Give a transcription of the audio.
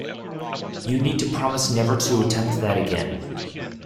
You need to promise never to attempt that again